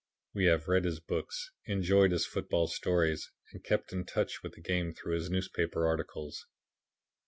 We have read his books, enjoyed his football stories, and kept in touch with the game through his newspaper articles.